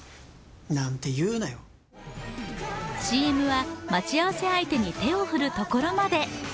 ＣＭは待ち合わせ相手に手を振るところまで。